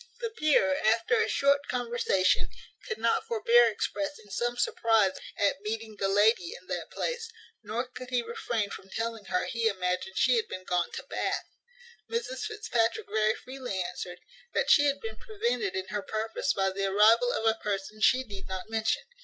The peer, after a short conversation, could not forbear expressing some surprize at meeting the lady in that place; nor could he refrain from telling her he imagined she had been gone to Bath. Mrs Fitzpatrick very freely answered, "That she had been prevented in her purpose by the arrival of a person she need not mention.